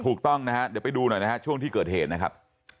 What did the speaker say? ถูกต้องนะฮะเดี๋ยวไปดูหน่อยนะฮะช่วงที่เกิดเหตุนะครับ